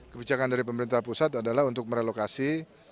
kebijakan dari pemerintah pusat adalah untuk merelokasi